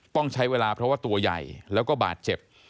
ต้องใช้เวลาเพราะว่าตัวใหญ่แล้วก็บาดเจ็บ